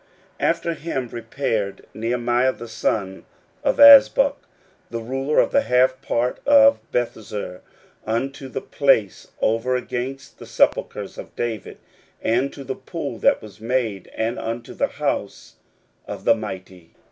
16:003:016 After him repaired Nehemiah the son of Azbuk, the ruler of the half part of Bethzur, unto the place over against the sepulchres of David, and to the pool that was made, and unto the house of the mighty.